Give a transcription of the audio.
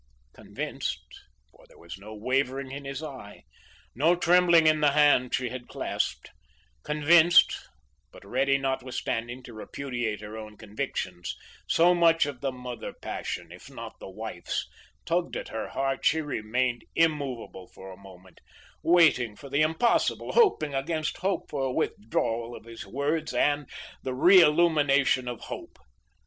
Convinced; for there was no wavering in his eye, no trembling in the hand she had clasped; convinced but ready notwithstanding to repudiate her own convictions, so much of the mother passion, if not the wife's, tugged at her heart, she remained immovable for a moment, waiting for the impossible, hoping against hope for a withdrawal of his words and the reillumination of hope.